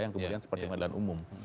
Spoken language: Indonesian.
yang kemudian seperti pengadilan umum